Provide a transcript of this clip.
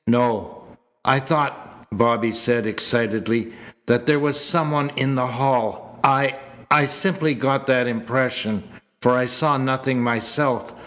"No." "I thought," Bobby said excitedly, "that there was some one in the hall. I I simply got that impression, for I saw nothing myself.